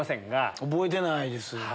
覚えてないです。